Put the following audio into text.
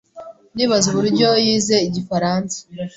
Ndibaza uburyo yize Igifaransa.